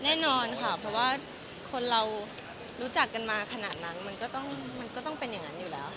แน่นอนค่ะเพราะว่าคนเรารู้จักกันมาขนาดนั้นมันก็ต้องมันก็ต้องเป็นอย่างนั้นอยู่แล้ว